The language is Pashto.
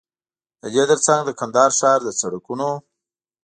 ددې تر څنګ د کندهار ښار د سړکونو